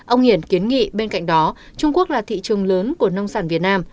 ông hiển kiến nghị bên cạnh đó trung quốc là thị trường lớn của nông sản việt nam